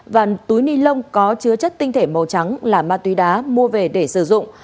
và túi ni lông có chứa chất tinh thể màu trắng là ma túy đá mua về để sử dụng